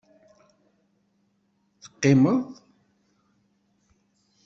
Teqqimeḍ.